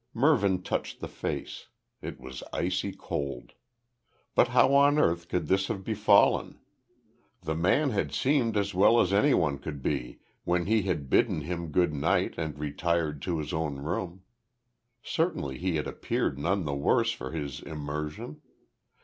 Mervyn touched the face. It was icy cold. But how on earth could this have befallen? The man had seemed as well as any one could be when he had bidden him good night and retired to his own room. Certainly he had appeared none the worse for his immersion.